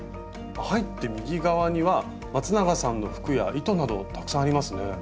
入って右側にはまつながさんの服や糸などたくさんありますね。